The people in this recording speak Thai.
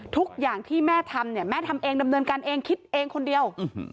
ทุกอย่างที่แม่ทำเนี่ยแม่ทำเองดำเนินการเองคิดเองคนเดียว